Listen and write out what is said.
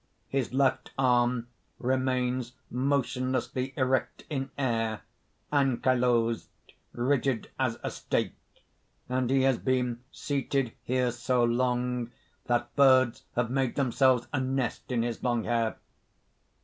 His left arm remains motionlessly erect in air, anchylosed, rigid as a stake; and he has been seated here so long that birds have made themselves a nest in his long hair.